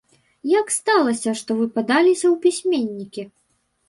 Як сталася, што вы падаліся ў пісьменнікі?